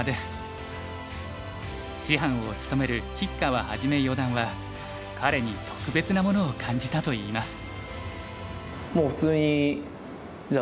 師範を務める吉川一四段は彼に特別なものを感じたといいます。